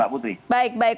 oke baik baik